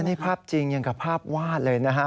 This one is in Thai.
นี่ภาพจริงอย่างกับภาพวาดเลยนะฮะ